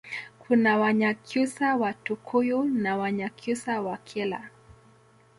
Kuna Wanyakyusa wa Tukuyu na Wanyakyusa wa Kyela